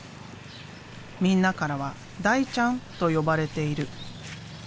みんなからは「大ちゃん」と呼ばれている。